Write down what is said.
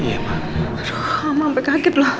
aduh mama sampe kaget loh